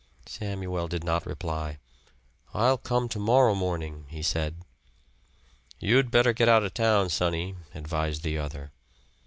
Samuel did not reply. "I'll come to morrow morning," he said. "You'd better get out of town, sonny," advised the other.